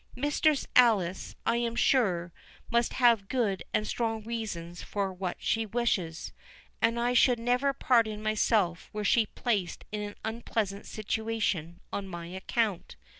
Mistress Alice, I am sure, must have good and strong reasons for what she wishes; and I should never pardon myself were she placed in an unpleasant situation on my account.